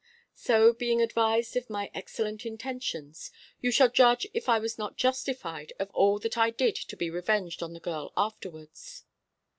So, being advised of my excellent intentions, you shall judge if I was not justified of all that I did to be revenged on the girl afterwards.